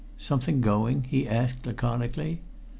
"Something going?" he asked laconically.